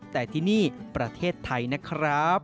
แต่ที่นี่ประเทศไทยนะครับ